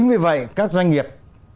chính vì vậy các doanh nghiệp